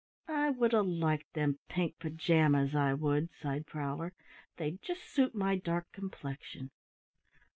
"I would 'a' liked them pink pajamas, I would," sighed Prowler. "They'd just suit my dark complexion."